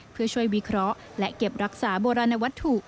เพื่อช่วยวิเคราะห์และเก็บรักษาโบราณวัตถุ